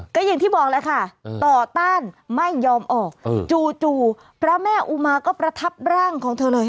ก็อย่างที่บอกแล้วค่ะต่อต้านไม่ยอมออกจู่พระแม่อุมาก็ประทับร่างของเธอเลย